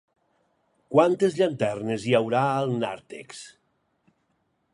Quantes llanternes hi haurà al nàrtex?